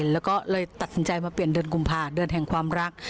แล้วก็เลยตัดสินใจมาเปลี่ยนเดือนกุมภาเดือนแห่งความรัก